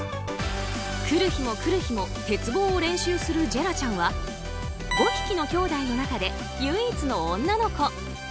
来る日も来る日も鉄棒を練習するジェラちゃんは５匹のきょうだいの中で唯一の女の子。